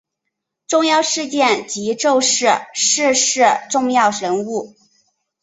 重要事件及趋势逝世重要人物